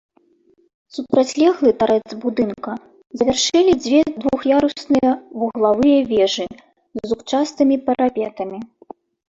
Супрацьлеглы тарэц будынка завяршылі дзве двух'ярусныя вуглавыя вежы з зубчастымі парапетамі.